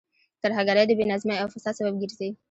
ترهګرۍ د بې نظمۍ او فساد سبب ګرځي.